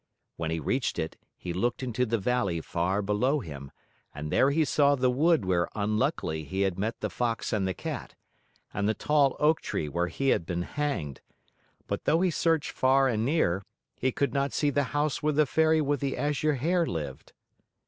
When he reached it, he looked into the valley far below him and there he saw the wood where unluckily he had met the Fox and the Cat, and the tall oak tree where he had been hanged; but though he searched far and near, he could not see the house where the Fairy with the Azure Hair lived.